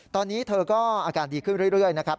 ตอนนี้เธอก็อาการดีขึ้นเรื่อยนะครับ